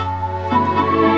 oke aku beli